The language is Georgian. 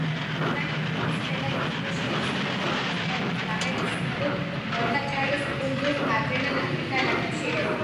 პირველი მათგანი მტკვრის ქვედა დინებაში არსებულ, ხილ-ბოსტნეულის ბაღებით ცნობილ ორთაჭალის კუნძულს მარჯვენა ნაპირთან აკავშირებდა.